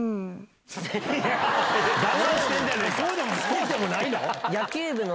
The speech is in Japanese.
そうでもないの？